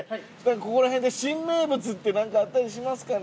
ここら辺で新名物って何かあったりしますかね？